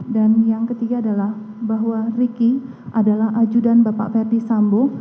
dan yang ketiga adalah bahwa ricky adalah ajudan bapak ferdis sambo